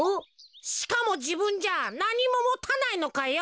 しかもじぶんじゃなにももたないのかよ。